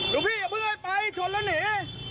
ดูพี่อย่าเมื่อยไปชนแล้วหนี